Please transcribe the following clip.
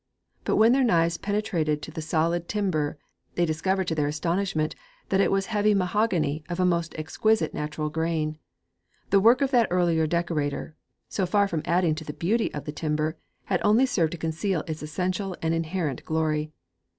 But when their knives penetrated to the solid timber, they discovered to their astonishment that it was heavy mahogany of a most exquisite natural grain! The work of that earlier decorator, so far from adding to the beauty of the timber, had only served to conceal its essential and inherent glory.